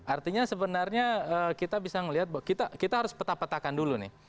artinya sebenarnya kita bisa melihat bahwa kita harus peta petakan dulu nih